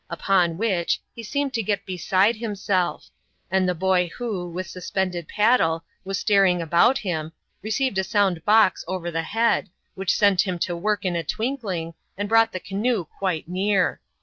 Upon which, he seemed to get beside himself; and the boy, who, with suspended paddle, was staring about him, received a sound box over the head, which set him to work in a twinkling, and brought the canoe quite near.